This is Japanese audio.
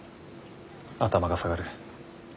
頭が下がる。